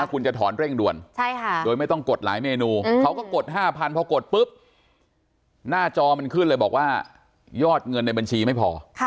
คุณจะถอนเร่งด่วนโดยไม่ต้องกดหลายเมนูเขาก็กด๕๐๐พอกดปุ๊บหน้าจอมันขึ้นเลยบอกว่ายอดเงินในบัญชีไม่พอ